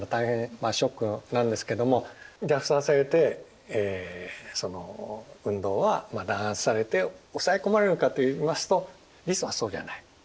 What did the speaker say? まあショックなんですけども虐殺されてその運動は弾圧されて抑え込まれるかといいますと実はそうではない。